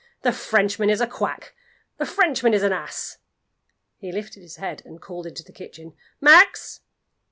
The Frenchman is a Quack! The Frenchman is an Ass!" He lifted his head, and called into the kitchen. "Max!"